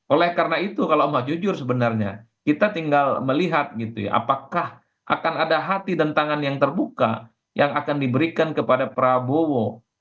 oleh karena itu kalau mau jujur sebenarnya kita tinggal melihat gitu ya apakah akan ada hati dan tangan yang terbuka yang akan diberikan kepada prabowo